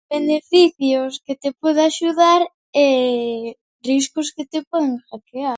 Beneficios: que te pode axudar. E riscos: que te poden hackear.